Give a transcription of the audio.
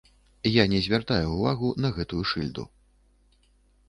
Я не звяртаю ўвагу на гэтую шыльду.